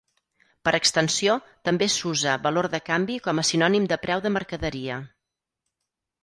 Per extensió, també s'usa valor de canvi com a sinònim de preu de mercaderia.